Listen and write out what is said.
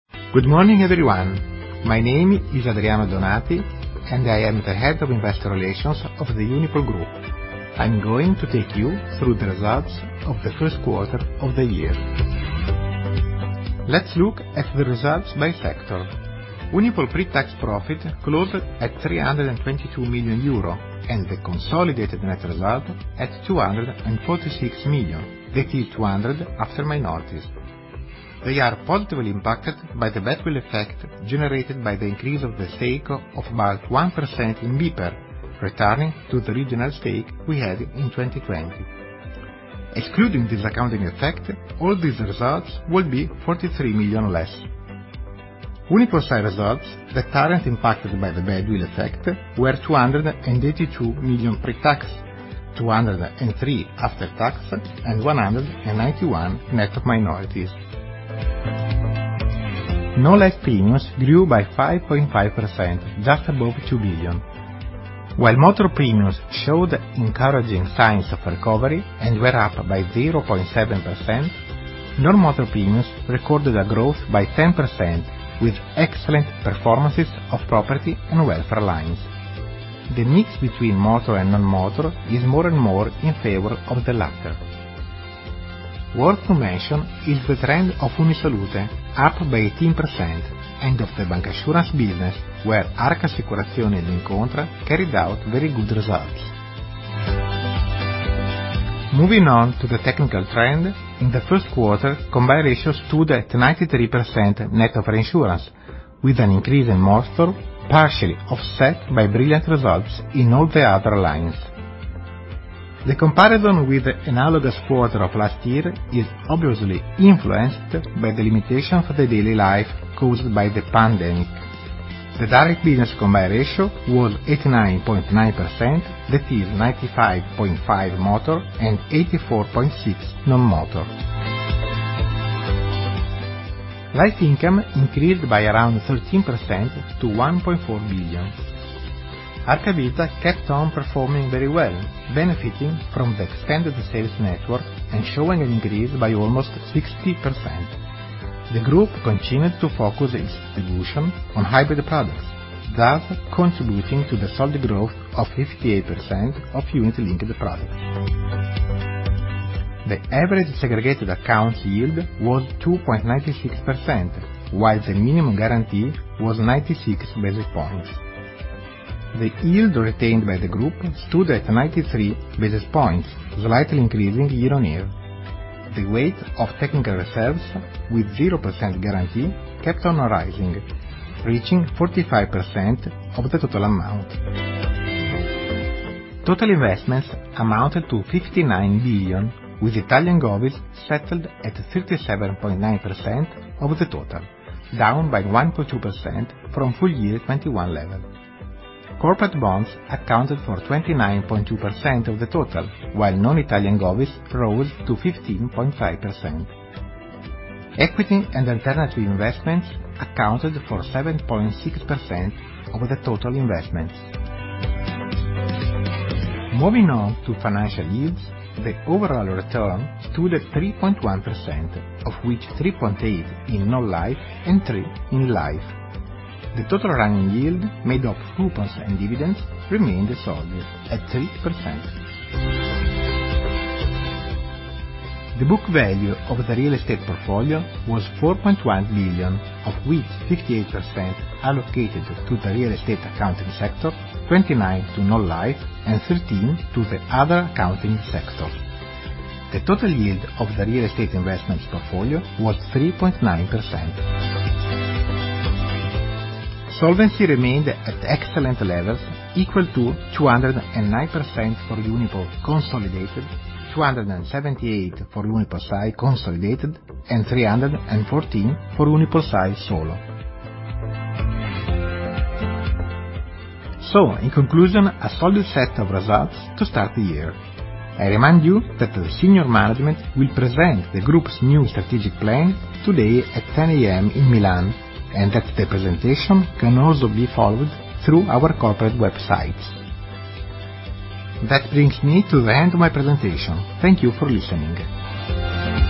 Good morning, everyone. My name is Adriano Donati, and I am the Head of Investor Relations of the Unipol Group. I'm going to take you through the results of the first quarter of the year. Let's look at the results by sector. Unipol pre-tax profit closed at 322 million euro, and the consolidated net result at 246 million. That is 200 million after minorities. They are positively impacted by the goodwill effect generated by the increase of the stake of about 1% in BPER, returning to the original stake we had in 2020. Excluding this accounting effect, all these results would be 43 million less. UnipolSai results that aren't impacted by the goodwill effect were 282 million pre-tax, 203 million after tax, and 191 million net of minorities. Non-life premiums grew by 5.5%, just above 2 billion. While motor premiums showed encouraging signs of recovery and were up by 0.7%, non-motor premiums recorded a growth by 10% with excellent performances of property and welfare lines. The mix between motor and non-motor is more and more in favor of the latter. Worth mentioning is the trend of UniSalute, up by 18%, and of the bancassurance business, where Arca Assicurazioni and Incontra carried out very good results. Moving on to the technical trend, in the first quarter, combined ratio stood at 93% net of reinsurance, with an increase in motor partially offset by brilliant results in all the other lines. The comparison with the analogous quarter of last year is obviously influenced by the limitation of the daily life caused by the pandemic. The direct business combined ratio was 89.9%, that is 95.5 motor and 84.6 non-motor. Life income increased by around 13% to 1.4 billion. Arca Vita kept on performing very well, benefiting from the extended sales network and showing an increase by almost 60%. The group continued to focus its distribution on hybrid products, thus contributing to the solid growth of 58% of unit-linked products. The average segregated accounts yield was 2.96%, while the minimum guarantee was 96 basis points. The yield retained by the group stood at 93 basis points, slightly increasing year on year. The weight of technical reserves with 0% guarantee kept on rising, reaching 45% of the total amount. Total investments amounted to 59 billion, with Italian govies settled at 37.9% of the total, down by 1.2% from full year 2021 level. Corporate bonds accounted for 29.2% of the total, while non-Italian govies rose to 15.5%. Equity and alternative investments accounted for 7.6% of the total investments. Moving on to financial yields, the overall return stood at 3.1%, of which 3.8% in non-life and 3% in life. The total running yield made of coupons and dividends remained solid at 3%. The book value of the real estate portfolio was 4.1 billion, of which 58% allocated to the real estate accounting sector, 29% to non-life, and 13% to the other accounting sector. The total yield of the real estate investments portfolio was 3.9%. Solvency remained at excellent levels, equal to 209% for Unipol consolidated, 278% for UnipolSai consolidated, and 314% for UnipolSai solo. In conclusion, a solid set of results to start the year. I remind you that the senior management will present the group's new strategic plan today at 10:00A.M. in Milan, and that the presentation can also be followed through our corporate website. That brings me to the end of my presentation. Thank you for listening.